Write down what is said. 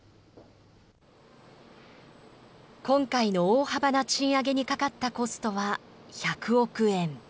今回の大幅な賃上げにかかったコストは１００億円。